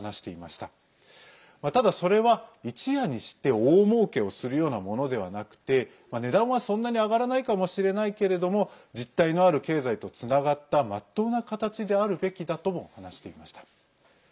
ただ、それは一夜にして大もうけをするようなものではなくて値段は、そんなに上がらないかもしれないけれども実体のある経済とつながった全うな形であるべきだとも話していました。